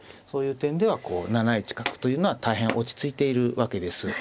そういう点では７一角というのは大変落ち着いているわけです。